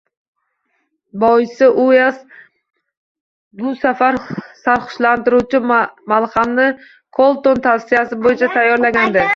Boisi, Uelss bu safar sarxushlantiruvchi malhamni Kolton tavsiyasi bo‘yicha tayyorlagandi